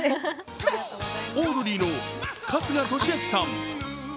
オードリーの春日俊彰さん。